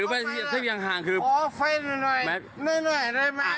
พอไฟหน่อยหน่อยได้ไหม